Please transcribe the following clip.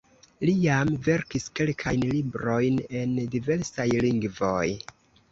Li jam verkis kelkajn librojn en diversaj lingvoj.